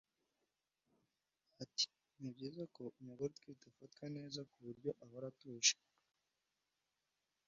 Ati ”Ni byiza ko umugore utwite afatwa neza ku buryo ahora atuje